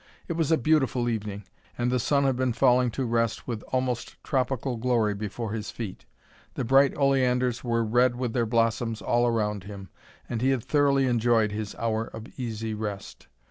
It was a beautiful evening, and the sun had been falling to rest with almost tropical glory before his feet. The bright oleanders were red with their blossoms all around him, and he had thoroughly enjoyed his hour of easy rest.